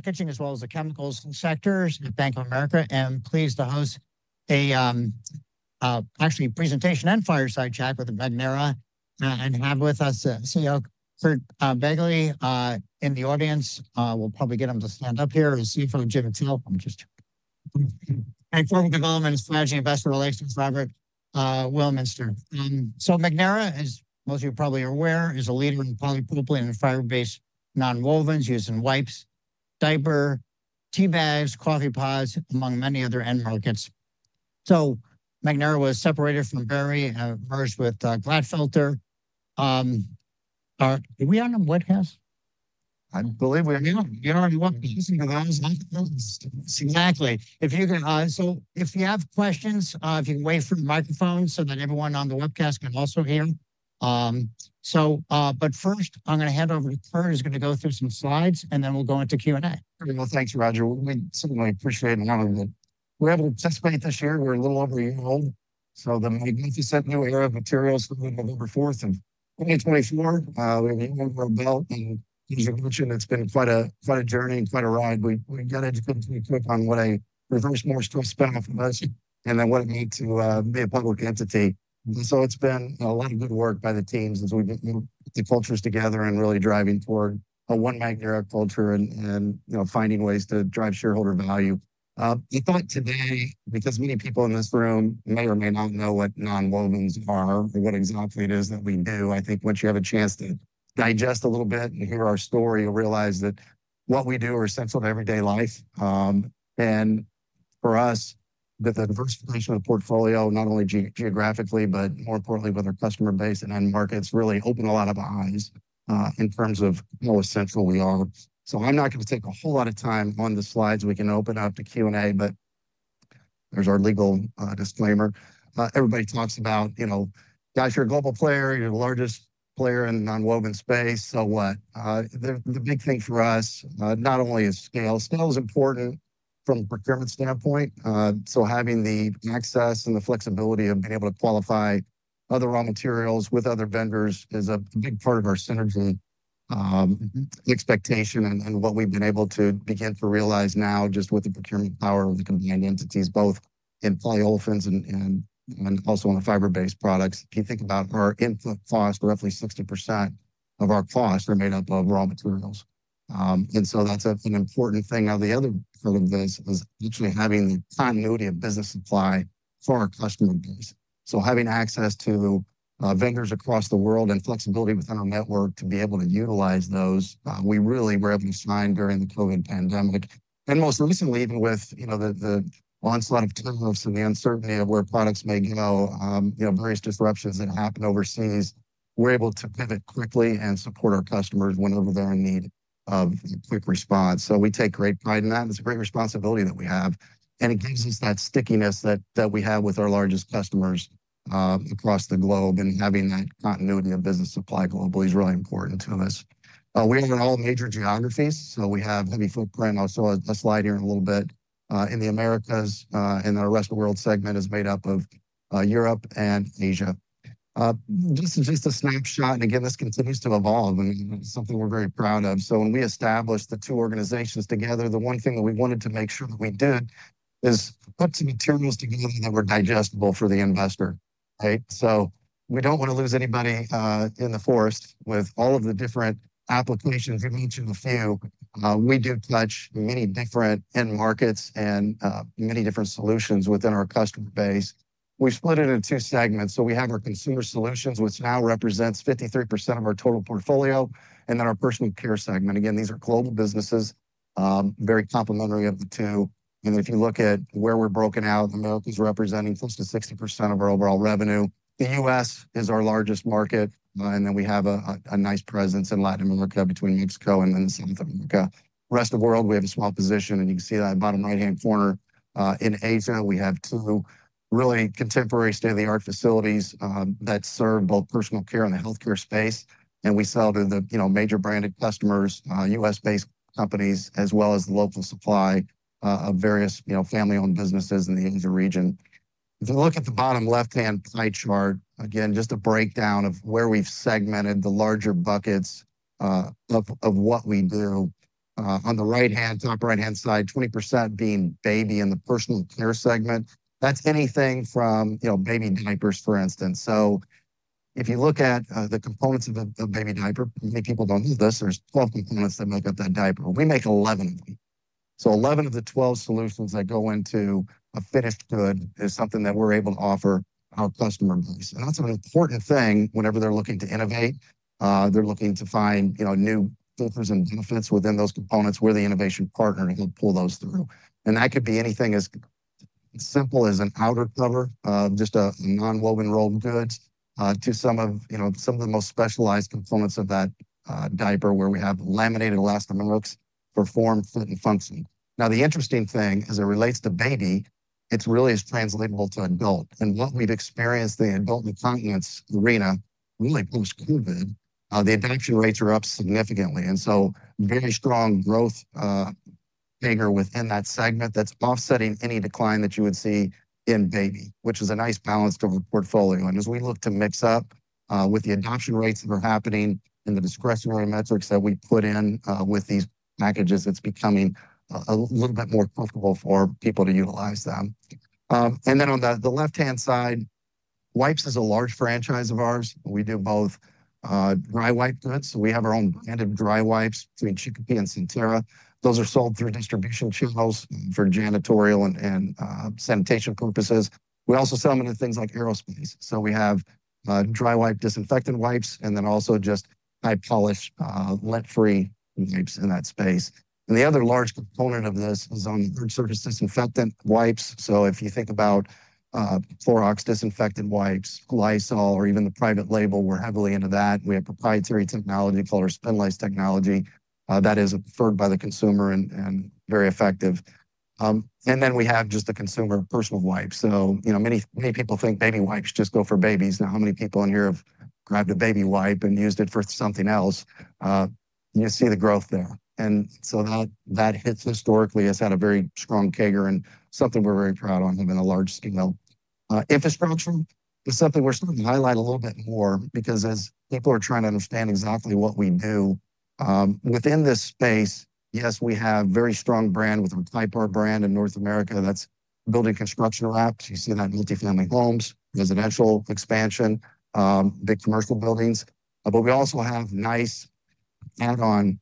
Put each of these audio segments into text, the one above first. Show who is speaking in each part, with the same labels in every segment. Speaker 1: Packaging as well as the chemicals sectors. Bank of America is pleased to host, actually, a presentation and fireside chat with Magnera, and have with us CEO Curt Begle in the audience. We'll probably get him to stand up here and see if he'll get himself. I'm just—thank you. And for business development and strategy investor relations, Robert Weilminster. So Magnera is, most of you probably aware, a leader in polypropylene and fiber-based non-woven used in wipes, diaper, tea bags, coffee pods, among many other end markets. So Magnera was separated from Berry, merged with Glatfelter. Are we on a webcast?
Speaker 2: I believe we are. You're on a webcast.
Speaker 1: Exactly. If you can, so if you have questions, if you can wait for the microphone so that everyone on the webcast can also hear. So, but first I'm gonna head over to Curt, who's gonna go through some slides and then we'll go into Q&A.
Speaker 2: Thanks, Roger. We certainly appreciate the opportunity we're able to participate this year. We're a little over a year old. So Magnera for November 4th of 2024, we're a little over a bit. And as you mentioned, it's been quite a, quite a journey and quite a ride. We got educated pretty quick on what a reverse Morris Trust spin-off was and then what it meant to be a public entity. And so it's been a lot of good work by the teams as we get the cultures together and really driving toward a one Magnera culture and, you know, finding ways to drive shareholder value. I thought today, because many people in this room may or may not know what nonwovens are or what exactly it is that we do, I think once you have a chance to digest a little bit and hear our story, you'll realize that what we do are essential to everyday life, and for us, the diversification of the portfolio, not only geographically, but more importantly with our customer base and end markets, really opened a lot of eyes, in terms of how essential we are. So I'm not gonna take a whole lot of time on the slides. We can open up to Q&A, but there's our legal disclaimer. Everybody talks about, you know, guys, you're a global player, you're the largest player in the nonwovens space. So what, the big thing for us, not only is scale, scale is important from a procurement standpoint. So having the access and the flexibility of being able to qualify other raw materials with other vendors is a big part of our synergy, expectation and what we've been able to begin to realize now just with the procurement power of the combined entities, both in polyolefins and also on the fiber-based products. If you think about our input cost, roughly 60% of our costs are made up of raw materials. And so that's an important thing. Now, the other part of this is actually having the continuity of business supply for our customer base. So having access to vendors across the world and flexibility within our network to be able to utilize those, we really were able to find during the COVID pandemic. And most recently, even with, you know, the onslaught of tariffs and the uncertainty of where products may go, you know, various disruptions that happen overseas, we're able to pivot quickly and support our customers whenever they're in need of quick response. So we take great pride in that. It's a great responsibility that we have, and it gives us that stickiness that we have with our largest customers, across the globe. And having that continuity of business supply globally is really important to us. We are in all major geographies, so we have heavy footprint. I'll show a slide here in a little bit, in the Americas, and the rest of the world segment is made up of, Europe and Asia. Just a snapshot. And again, this continues to evolve. I mean, it's something we're very proud of. So when we established the two organizations together, the one thing that we wanted to make sure that we did is put some materials together that were digestible for the investor, right? So we don't wanna lose anybody in the forest with all of the different applications. We mentioned a few. We do touch many different end markets and many different solutions within our customer base. We've split it into two segments. So we have our consumer solutions, which now represents 53% of our total portfolio, and then our personal care segment. Again, these are global businesses, very complementary of the two. And if you look at where we're broken out, Americas representing close to 60% of our overall revenue. The U.S. is our largest market, and then we have a nice presence in Latin America between Mexico and then South America. Rest of the world, we have a small position, and you can see that bottom right-hand corner. In Asia, we have two really contemporary state-of-the-art facilities that serve both personal care and the healthcare space, and we sell to the, you know, major branded customers, U.S.-based companies, as well as the local supply of various, you know, family-owned businesses in the Asia region. If you look at the bottom left-hand pie chart, again, just a breakdown of where we've segmented the larger buckets of what we do. On the right-hand, top right-hand side, 20% being baby in the personal care segment. That's anything from, you know, baby diapers, for instance, so if you look at the components of a baby diaper, many people don't know this. There's 12 components that make up that diaper. We make 11 of them. So, 11 of the 12 solutions that go into a finished good is something that we're able to offer our customer base. And that's an important thing whenever they're looking to innovate. They're looking to find, you know, new filters and benefits within those components where the innovation partner will pull those through. And that could be anything as simple as an outer cover of just a nonwoven rolled goods, to some of, you know, some of the most specialized components of that diaper where we have laminated elastomerics for form, fit, and function. Now, the interesting thing as it relates to baby, it's really as translatable to adult. And what we've experienced in the adult incontinence arena, really post-COVID, the adoption rates are up significantly. Very strong growth figure within that segment that's offsetting any decline that you would see in baby, which is a nice balance to our portfolio. As we look to mix up, with the adoption rates that are happening and the discretionary metrics that we put in, with these packages, it's becoming a little bit more comfortable for people to utilize them. Then on the left-hand side, wipes is a large franchise of ours. We do both dry wipe goods. So we have our own branded dry wipes between Chicopee and Sontara. Those are sold through distribution channels for janitorial and sanitation purposes. We also sell 'em into things like aerospace. So we have dry wipe disinfectant wipes and then also just high polish, lead-free wipes in that space. The other large component of this is on the surface disinfectant wipes. So if you think about Clorox disinfectant wipes, Lysol, or even the private label, we're heavily into that. We have proprietary technology called our Spinlace technology that is preferred by the consumer and very effective. And then we have just the consumer personal wipes. So you know, many, many people think baby wipes just go for babies. Now, how many people in here have grabbed a baby wipe and used it for something else? You see the growth there. And so that historically has had a very strong CAGR and something we're very proud of in a large scale. Infrastructure is something we're starting to highlight a little bit more because as people are trying to understand exactly what we do within this space. Yes, we have a very strong brand with our TYPAR brand in North America that's building construction wraps. You see that multifamily homes, residential expansion, big commercial buildings. But we also have nice add-on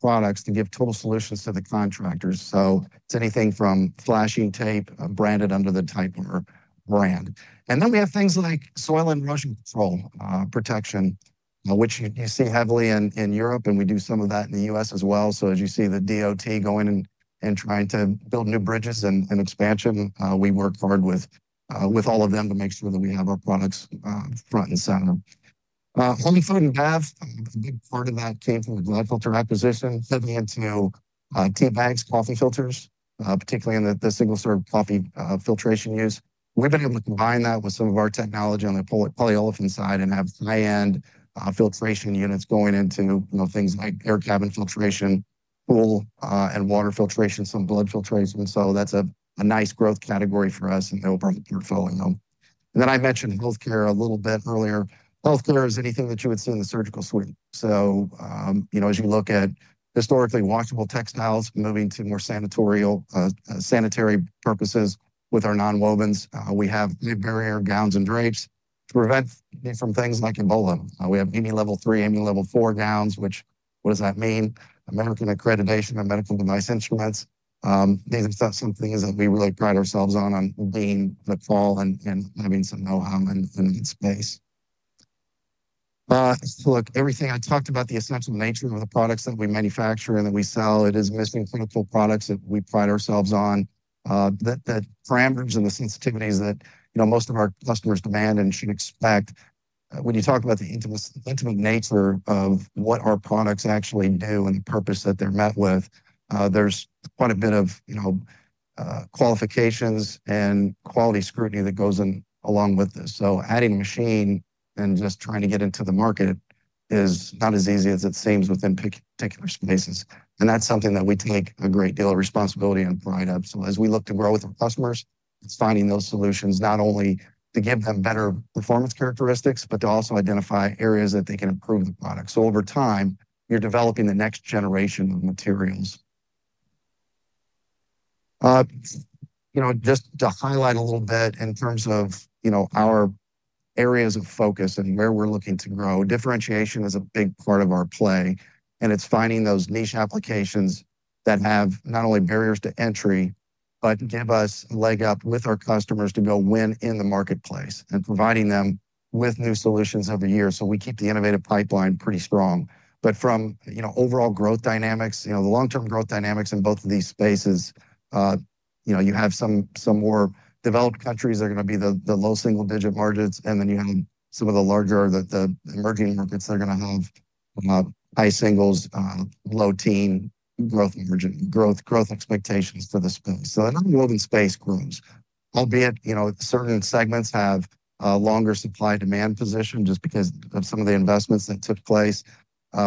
Speaker 2: products to give total solutions to the contractors. So it's anything from flashing tape branded under the TYPAR brand. And then we have things like soil and erosion control, protection, which you see heavily in Europe, and we do some of that in the U.S. as well. So as you see the DOT going and trying to build new bridges and expansion, we work hard with all of them to make sure that we have our products front and center. Home food and bath, a big part of that came from the Glatfelter acquisition, moving into tea bags, coffee filters, particularly in the single-serve coffee filtration use. We've been able to combine that with some of our technology on the polyolefin side and have high-end filtration units going into, you know, things like air cabin filtration, pool and water filtration, some blood filtration. So that's a nice growth category for us in the overall portfolio. And then I mentioned healthcare a little bit earlier. Healthcare is anything that you would see in the surgical suite. So, you know, as you look at historically washable textiles moving to more sanitary purposes with our nonwovens, we have mid-barrier gowns and drapes to protect me from things like Ebola. We have AAMI Level 3, AAMI Level 4 gowns, which, what does that mean? American Accreditation of Medical Device Instruments. These are something that we really pride ourselves on, on being the call and, and having some know-how in, in that space. Look, everything I talked about, the essential nature of the products that we manufacture and that we sell, it is mission-critical products that we pride ourselves on, that parameters and the sensitivities that, you know, most of our customers demand and should expect. When you talk about the intimate nature of what our products actually do and the purpose that they're met with, there's quite a bit of, you know, qualifications and quality scrutiny that goes in along with this. So adding a machine and just trying to get into the market is not as easy as it seems within particular spaces. And that's something that we take a great deal of responsibility and pride in. As we look to grow with our customers, it's finding those solutions, not only to give them better performance characteristics, but to also identify areas that they can improve the product. Over time, you're developing the next generation of materials. You know, just to highlight a little bit in terms of, you know, our areas of focus and where we're looking to grow, differentiation is a big part of our play. It's finding those niche applications that have not only barriers to entry, but give us a leg up with our customers to go win in the marketplace and providing them with new solutions every year. We keep the innovative pipeline pretty strong. But from, you know, overall growth dynamics, you know, the long-term growth dynamics in both of these spaces. You know, you have some more developed countries that are gonna be the low single-digit margins. And then you have some of the larger emerging markets that are gonna have high singles, low teen growth margin, growth expectations for the space. So the nonwovens space grows, albeit, you know, certain segments have longer supply demand position just because of some of the investments that took place.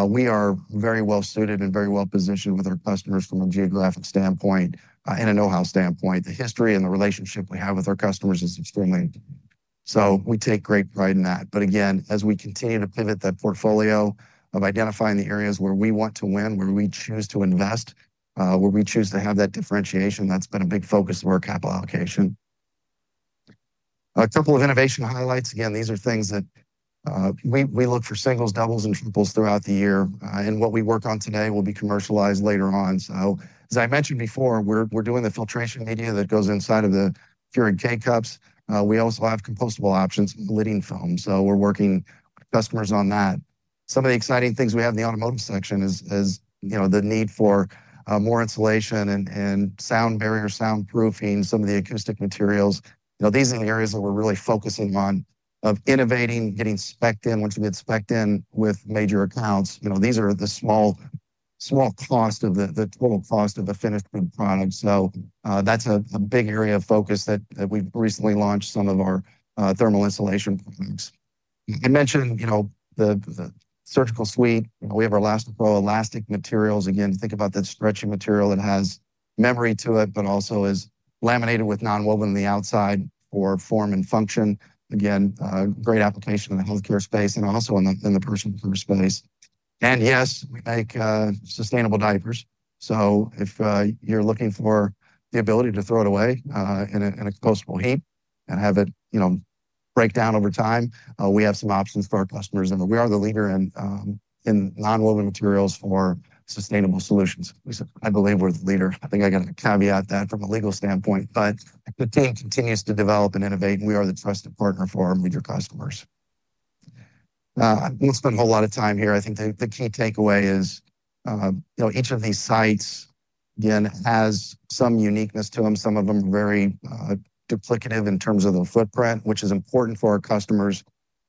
Speaker 2: We are very well suited and very well positioned with our customers from a geographic standpoint, and a know-how standpoint. The history and the relationship we have with our customers is extremely important. So we take great pride in that. But again, as we continue to pivot that portfolio of identifying the areas where we want to win, where we choose to invest, where we choose to have that differentiation, that's been a big focus of our capital allocation. A couple of innovation highlights. Again, these are things that we look for singles, doubles, and triples throughout the year, and what we work on today will be commercialized later on. So as I mentioned before, we're doing the filtration media that goes inside of the Keurig K-Cups. We also have compostable options and lidding film. So we're working with customers on that. Some of the exciting things we have in the automotive section is, you know, the need for more insulation and sound barrier, soundproofing, some of the acoustic materials. You know, these are the areas that we're really focusing on of innovating, getting specced in. Once you get specced in with major accounts, you know, these are the small, small cost of the total cost of the finished good product. So, that's a big area of focus that we've recently launched some of our thermal insulation products. I mentioned, you know, the surgical suite. You know, we have our ElastiPro Elastic materials. Again, think about that stretching material that has memory to it, but also is laminated with nonwoven on the outside for form and function. Again, great application in the healthcare space and also in the personal care space. And yes, we make sustainable diapers. So if you're looking for the ability to throw it away in a compost heap and have it, you know, break down over time, we have some options for our customers. We are the leader in nonwovens for sustainable solutions. I believe we're the leader. I think I got to caveat that from a legal standpoint, but the team continues to develop and innovate, and we are the trusted partner for our major customers. I won't spend a whole lot of time here. I think the key takeaway is, you know, each of these sites again has some uniqueness to them. Some of them are very duplicative in terms of the footprint, which is important for our customers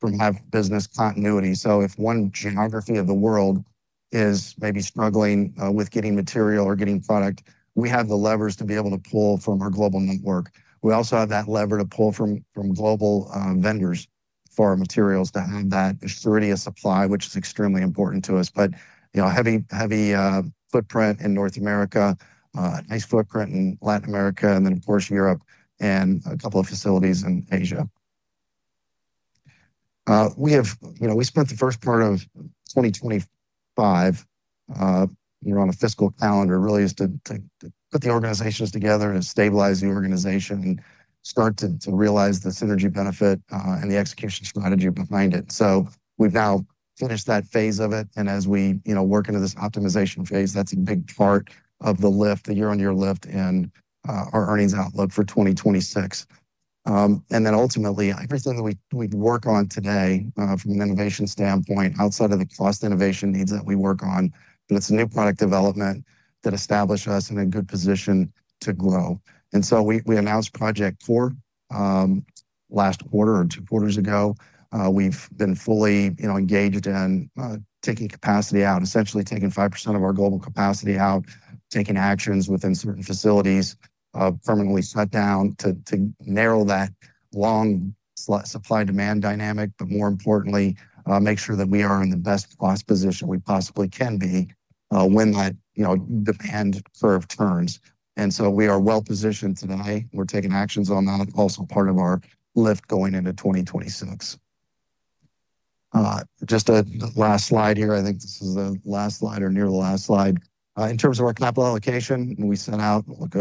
Speaker 2: to have business continuity. So if one geography of the world is maybe struggling with getting material or getting product, we have the levers to be able to pull from our global network. We also have that lever to pull from global vendors for our materials to have that surety of supply, which is extremely important to us. But, you know, heavy, heavy footprint in North America, nice footprint in Latin America, and then of course Europe and a couple of facilities in Asia. We have, you know, we spent the first part of 2025, you know, on a fiscal calendar really is to put the organizations together and stabilize the organization and start to realize the synergy benefit, and the execution strategy behind it. So we've now finished that phase of it. And as we, you know, work into this optimization phase, that's a big part of the lift, the year-on-year lift in our earnings outlook for 2026. Then ultimately everything that we, we work on today, from an innovation standpoint outside of the cost innovation needs that we work on, but it's a new product development that established us in a good position to grow. And so we, we announced Project CORE last quarter or two quarters ago. We've been fully, you know, engaged in taking capacity out, essentially taking 5% of our global capacity out, taking actions within certain facilities, permanently shut down to narrow that long supply demand dynamic, but more importantly, make sure that we are in the best cost position we possibly can be, when that, you know, demand curve turns. And so we are well positioned today. We're taking actions on that. It's also part of our lift going into 2026. Just a last slide here. I think this is the last slide or near the last slide. In terms of our capital allocation, we set out, look,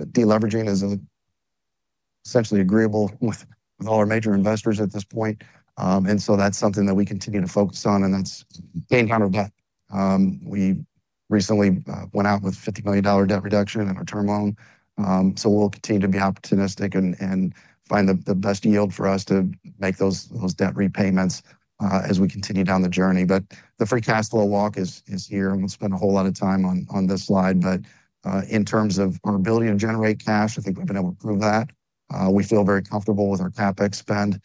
Speaker 2: deleveraging is essentially agreeable with, with all our major investors at this point. And so that's something that we continue to focus on. And that's our net debt. We recently went out with a $50 million debt reduction in our term loan. So we'll continue to be opportunistic and, and find the, the best yield for us to make those, those debt repayments, as we continue down the journey. But the free cash flow walk is, is here. I won't spend a whole lot of time on, on this slide. But, in terms of our ability to generate cash, I think we've been able to prove that. We feel very comfortable with our CapEx spend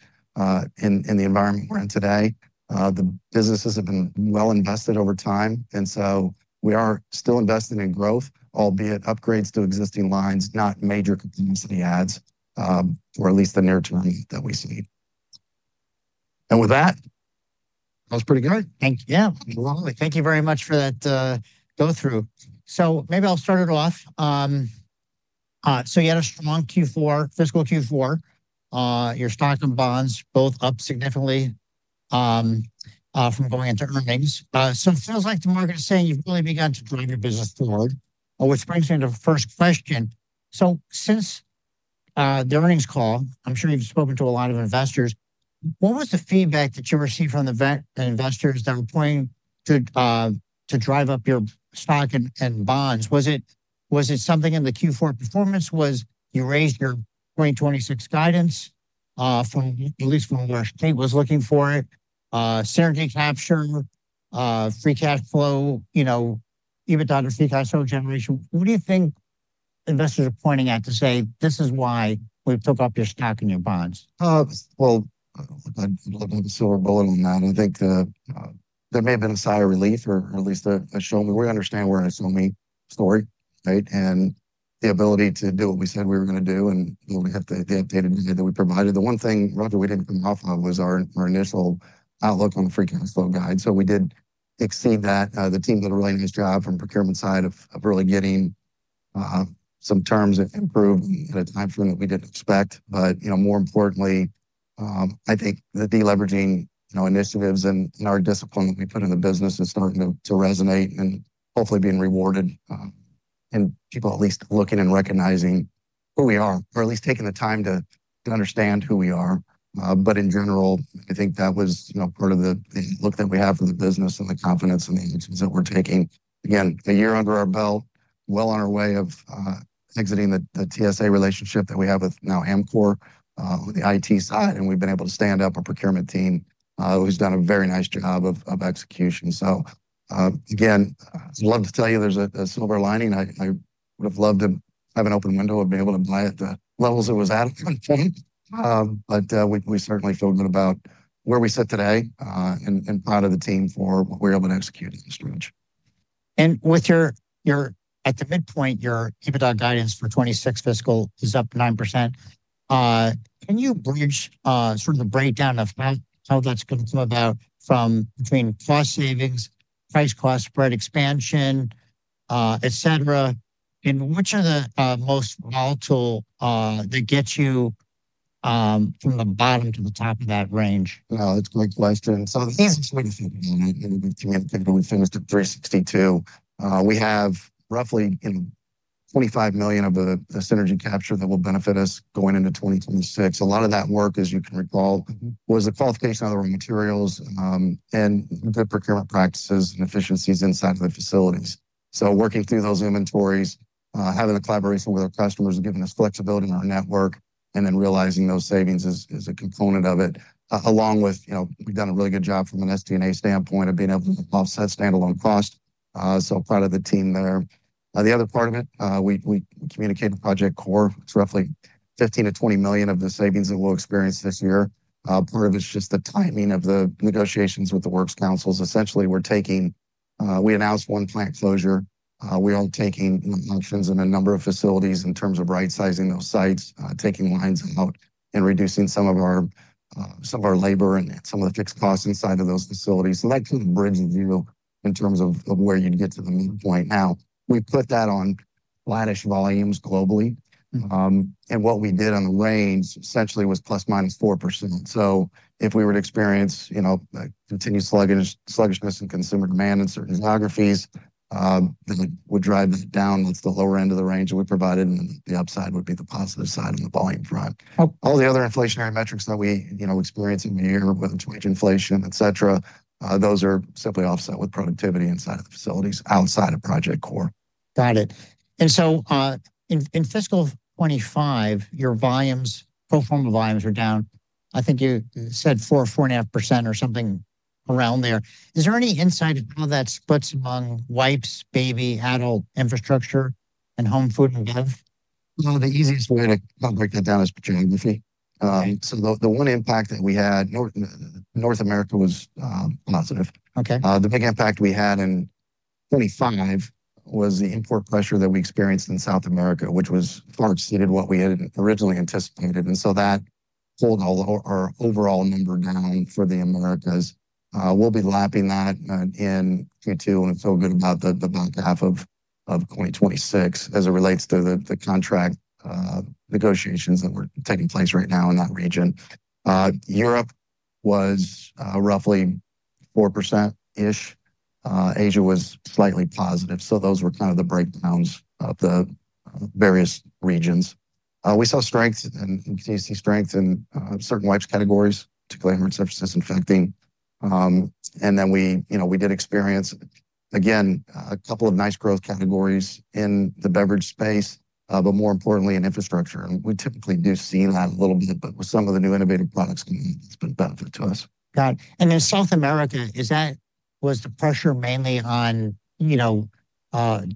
Speaker 2: in the environment we're in today. The businesses have been well invested over time. And so we are still investing in growth, albeit upgrades to existing lines, not major capacity adds, or at least the near term that we see. And with that, that was pretty good.
Speaker 1: Thank you.
Speaker 2: Yeah. Lovely.
Speaker 1: Thank you very much for that, go through. So maybe I'll start it off. So you had a strong Q4, fiscal Q4. Your stock and bonds both up significantly from going into earnings. So it feels like the market is saying you've really begun to drive your business forward, which brings me into the first question. So since the earnings call, I'm sure you've spoken to a lot of investors. What was the feedback that you received from the debt investors that were pointing to, to drive up your stock and, and bonds? Was it, was it something in the Q4 performance? Was you raised your 2026 guidance, from at least from where Street was looking for it, synergy capture, free cash flow, you know, EBITDA to free cash flow generation? What do you think investors are pointing out to say, this is why we took up your stock and your bonds?
Speaker 2: Well, I'd love to have a silver bullet on that. I think, there may have been a sigh of relief or, or at least a, a show me. We understand we're in a show me story, right? And the ability to do what we said we were gonna do and, and we have the, the updated data that we provided. The one thing, Roger, we didn't come off of was our initial outlook on the free cash flow guide. So we did exceed that. The team did a really nice job from procurement side of really getting some terms improved at a timeframe that we didn't expect. But, you know, more importantly, I think the deleveraging, you know, initiatives and our discipline that we put in the business is starting to resonate and hopefully being rewarded, and people at least looking and recognizing who we are, or at least taking the time to understand who we are. But in general, I think that was, you know, part of the look that we have for the business and the confidence and the actions that we're taking. Again, a year under our belt, well on our way of exiting the TSA relationship that we have with now Amcor, on the IT side. And we've been able to stand up a procurement team, who's done a very nice job of execution. So, again, I'd love to tell you there's a silver lining. I would've loved to have an open window of being able to buy at the levels it was at one point, but we certainly feel good about where we sit today, and proud of the team for what we're able to execute in this range.
Speaker 1: And with you're at the midpoint, your EBITDA guidance for fiscal 2026 is up 9%. Can you bridge, sort of, the breakdown of how that's gonna come about from between cost savings, price-cost spread expansion, et cetera, and which are the most volatile that get you from the bottom to the top of that range?
Speaker 2: Well, that's a great question. So the thing that's really interesting is we finished at $362 million. We have roughly, you know, $25 million of the synergy capture that will benefit us going into 2026. A lot of that work, as you can recall, was the qualification of the raw materials, and good procurement practices and efficiencies inside of the facilities. So working through those inventories, having a collaboration with our customers and giving us flexibility in our network, and then realizing those savings is a component of it, along with, you know, we've done a really good job from an SG&A standpoint of being able to offset standalone cost. So proud of the team there. The other part of it, we communicate with Project CORE. It's roughly $15 million-$20 million of the savings that we'll experience this year. Part of it's just the timing of the negotiations with the works councils. Essentially, we're taking, we announced one plant closure. We are taking actions in a number of facilities in terms of right sizing those sites, taking lines out and reducing some of our labor and some of the fixed costs inside of those facilities. So that kind of bridges you in terms of where you'd get to the point. Now, we put that on flattish volumes globally, and what we did on the range essentially was ±4%. So if we were to experience, you know, continued sluggish, sluggishness in consumer demand in certain geographies, then we would drive it down at the lower end of the range that we provided, and then the upside would be the positive side on the volume front. All the other inflationary metrics that we, you know, experience in the year with inflation, et cetera, those are simply offset with productivity inside of the facilities outside of Project CORE.
Speaker 1: Got it. And so, in fiscal 2025, your volumes, pro forma volumes are down, I think you said 4.5% or something around there. Is there any insight of how that splits among wipes, baby, adult incontinence, and home, food and bev?
Speaker 2: Well, the easiest way to break that down is geography, so the one impact that we had, North America was positive. Okay. The big impact we had in 2025 was the import pressure that we experienced in South America, which far exceeded what we had originally anticipated. And so that pulled our overall number down for the Americas. We'll be lapping that in Q2 and feel good about the back half of 2026 as it relates to the contract negotiations that were taking place right now in that region. Europe was roughly 4%-ish. Asia was slightly positive. So those were kind of the breakdowns of the various regions. We saw strength and key strength in certain wipes categories, particularly emerging surface disinfecting. And then we, you know, we did experience again a couple of nice growth categories in the beverage space, but more importantly in infrastructure. And we typically do see that a little bit, but with some of the new innovative products coming in, it's been a benefit to us.
Speaker 1: Got it. And in South America, is that, was the pressure mainly on, you know,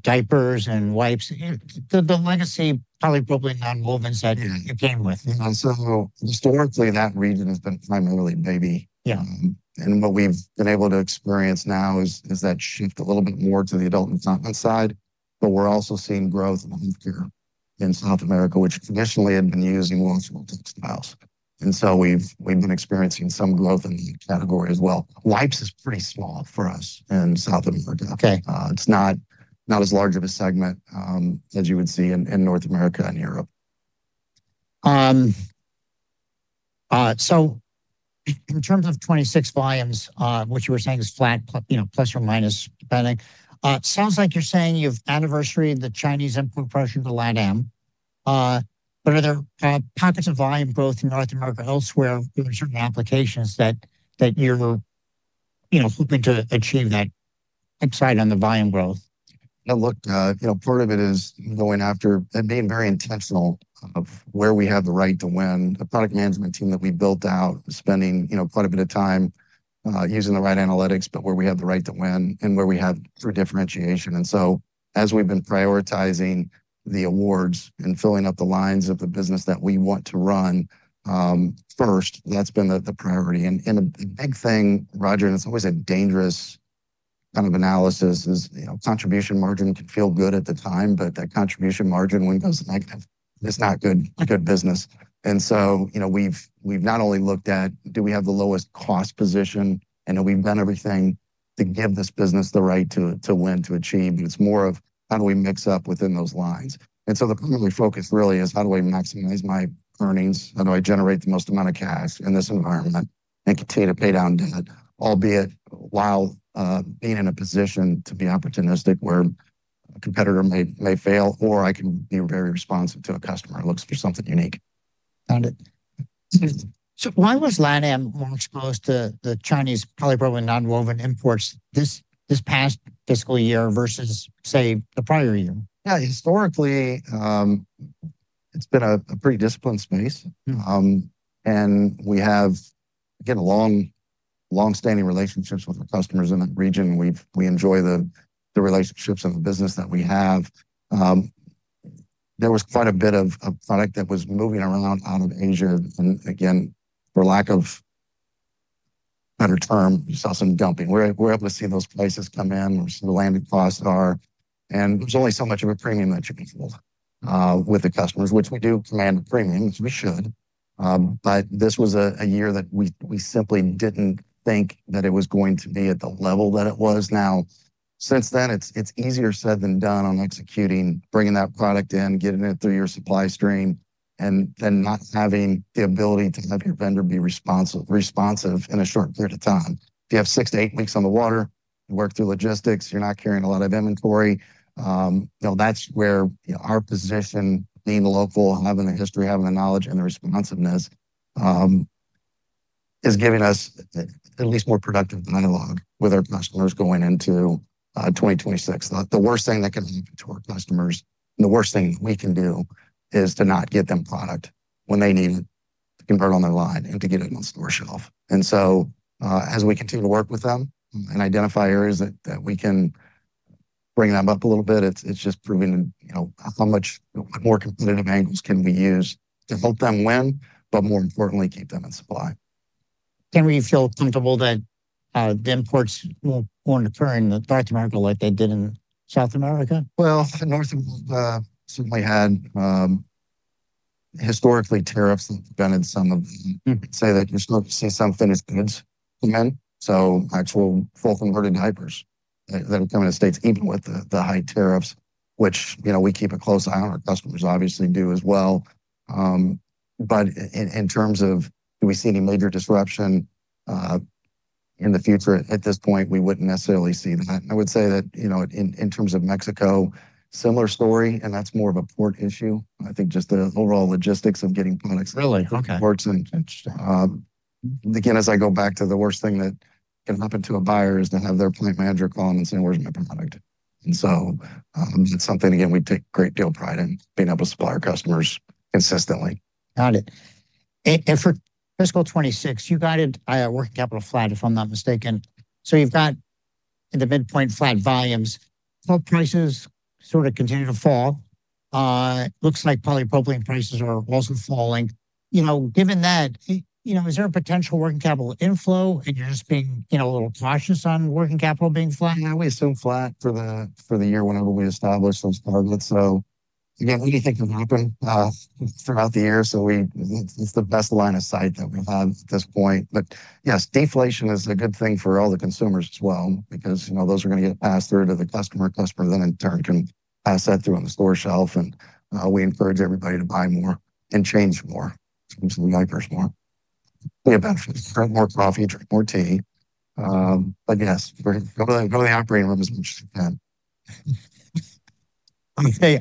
Speaker 1: diapers and wipes? The legacy probably nonwoven assets we came with.
Speaker 2: Yeah. And so historically that region has been primarily baby.
Speaker 1: Yeah.
Speaker 2: And what we've been able to experience now is that shift a little bit more to the adult and incontinence side, but we're also seeing growth in healthcare in South America, which traditionally had been using nonwoven textiles. And so we've been experiencing some growth in the category as well. Wipes is pretty small for us in South America.
Speaker 1: Okay.
Speaker 2: It's not as large of a segment as you would see in North America and Europe.
Speaker 1: So in terms of 2026 volumes, what you were saying is flat, you know, plus or minus depending. Sounds like you're saying you've anniversaried the Chinese import pressure in LatAm, but are there pockets of volume growth in North America elsewhere in certain applications that you're, you know, hoping to achieve that upside on the volume growth?
Speaker 2: Yeah. Look, you know, part of it is going after and being very intentional of where we have the right to win. The product management team that we built out is spending, you know, quite a bit of time, using the right analytics, but where we have the right to win and where we have true differentiation. And so as we've been prioritizing the awards and filling up the lines of the business that we want to run, first, that's been the, the priority. And, and a big thing, Roger, and it's always a dangerous kind of analysis is, you know, contribution margin can feel good at the time, but that contribution margin when it goes negative, it's not good, good business. And so, you know, we've, we've not only looked at do we have the lowest cost position and have we done everything to give this business the right to, to win, to achieve, it's more of how do we mix up within those lines. And so the primary focus really is how do I maximize my earnings? How do I generate the most amount of cash in this environment and continue to pay down debt, albeit while being in a position to be opportunistic where a competitor may fail or I can be very responsive to a customer who looks for something unique.
Speaker 1: Found it. So why was LatAm more exposed to the Chinese polypropylene nonwovens imports this past fiscal year vs say the prior year?
Speaker 2: Yeah. Historically, it's been a pretty disciplined space, and we have, again, longstanding relationships with our customers in that region. We've we enjoy the relationships of the business that we have. There was quite a bit of product that was moving around out of Asia. And again, for lack of better term, you saw some dumping. We're able to see those prices come in. We're seeing the landing costs are, and there's only so much of a premium that you can pull with the customers, which we do command a premium, which we should, but this was a year that we simply didn't think that it was going to be at the level that it was now. Since then, it's easier said than done on executing, bringing that product in, getting it through your supply stream, and then not having the ability to have your vendor be responsive in a short period of time. If you have 6-8 weeks on the water, you work through logistics. You're not carrying a lot of inventory. You know, that's where, you know, our position, being local, having the history, having the knowledge and the responsiveness, is giving us at least more productive dialogue with our customers going into 2026. The worst thing that can happen to our customers and the worst thing we can do is to not get them product when they need it to convert on their line and to get it on the store shelf. And so, as we continue to work with them and identify areas that we can bring them up a little bit, it's just proving to, you know, how much, you know, more competitive angles can we use to help them win, but more importantly, keep them in supply.
Speaker 1: Can we feel comfortable that the imports weren't occurring in North America like they did in South America?
Speaker 2: Well, North America certainly had, historically, tariffs that have been in some of—say that you're supposed to see some finished goods come in. So actual full-converted diapers that are coming to the States, even with the high tariffs, which, you know, we keep a close eye on. Our customers obviously do as well. But in terms of do we see any major disruption in the future, at this point, we wouldn't necessarily see that. And I would say that, you know, in terms of Mexico, similar story, and that's more of a port issue. I think just the overall logistics of getting products in ports.
Speaker 1: Really? Okay.
Speaker 2: And again, as I go back to the worst thing that can happen to a buyer is to have their plant manager call 'em and say, "Where's my product?" And so, it's something again, we take a great deal of pride in being able to supply our customers consistently.
Speaker 1: Got it. And for fiscal 2026, you guided working capital flat, if I'm not mistaken. So you've got in the midpoint flat volumes, flat prices sort of continue to fall. It looks like polypropylene prices are also falling. You know, given that, you know, is there a potential working capital inflow and you're just being, you know, a little cautious on working capital being flat?
Speaker 2: Yeah, we assume flat for the year whenever we establish those targets. So again, we do think it'll happen throughout the year. So, we, it's the best line of sight that we have at this point. But yes, deflation is a good thing for all the consumers as well because, you know, those are gonna get passed through to the customer. Customer then in turn can pass that through on the store shelf. And, we encourage everybody to buy more and change more in terms of the diapers, more. We'll be a benefit, drink more coffee, drink more tea. But yes, go to the operating room as much as you can.
Speaker 1: Okay.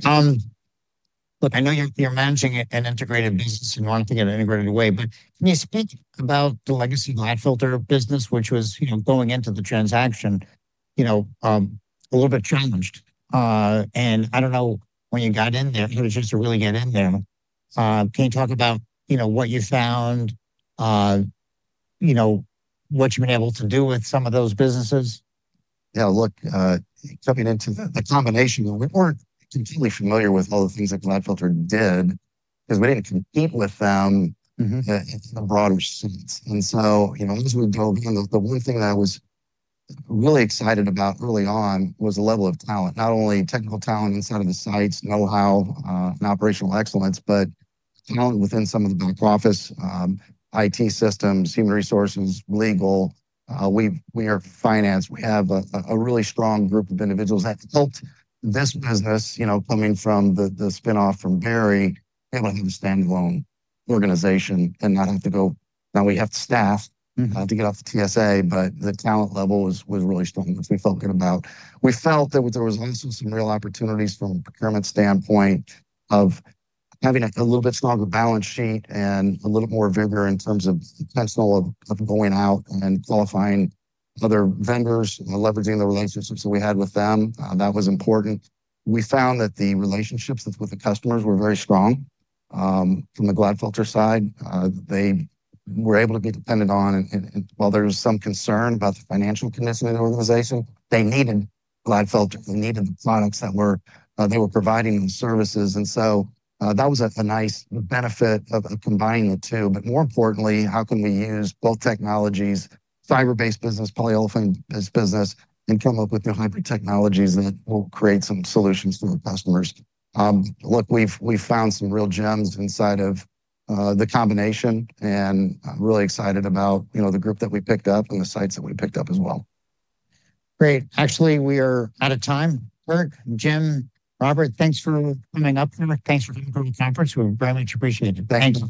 Speaker 1: Look, I know you're managing an integrated business and you want to get an integrated way, but can you speak about the legacy Glatfelter business, which was, you know, going into the transaction, you know, a little bit challenged? And I don't know when you got in there. It was just to really get in there. Can you talk about, you know, what you found, you know, what you've been able to do with some of those businesses?
Speaker 2: Yeah. Look, coming into the combination, we weren't completely familiar with all the things that Glatfelter did 'cause we didn't compete with them.
Speaker 1: Mm-hmm.
Speaker 2: In a broader sense. And so, you know, as we dove in, the, the one thing that I was really excited about early on was the level of talent, not only technical talent inside of the sites, know-how, and operational excellence, but talent within some of the back office, IT systems, human resources, legal. We are finance. We have a really strong group of individuals that helped this business, you know, coming from the spinoff from Berry, able to have a standalone organization and not have to go, now we have to staff, to get off the TSA, but the talent level was really strong, which we felt good about. We felt that there was also some real opportunities from a procurement standpoint of having a little bit stronger balance sheet and a little more vigor in terms of intentional of going out and qualifying other vendors, leveraging the relationships that we had with them. That was important. We found that the relationships with the customers were very strong, from the Glatfelter side. They were able to be dependent on, and while there was some concern about the financial commitment of the organization, they needed Glatfelter. They needed the products that they were providing them services. And so, that was a nice benefit of combining the two. But more importantly, how can we use both technologies, fiber-based business, polyolefin-based business, and come up with new hybrid technologies that will create some solutions for our customers? Look, we've found some real gems inside of the combination and really excited about, you know, the group that we picked up and the sites that we picked up as well.
Speaker 1: Great. Actually, we are out of time. Curt, Jim, Robert, thanks for coming up here. Thanks for coming to the conference. We really appreciate it. Thanks.